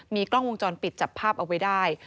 มีกล้องวงจรปิดจับภาพเอาไว้ได้